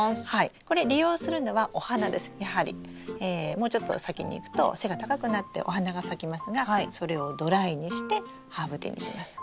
もうちょっと先にいくと背が高くなってお花が咲きますがそれをドライにしてハーブティーにします。